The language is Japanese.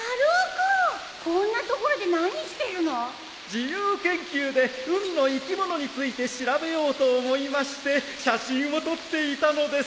自由研究で海の生き物について調べようと思いまして写真を撮っていたのです。